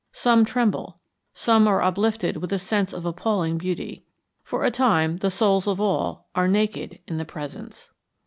Some tremble. Some are uplifted with a sense of appalling beauty. For a time the souls of all are naked in the presence.